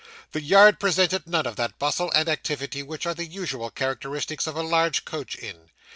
The yard presented none of that bustle and activity which are the usual characteristics of a large coach inn.